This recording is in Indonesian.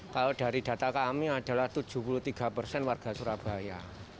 kalau dari data kami adalah tujuh puluh tiga persen warga surabaya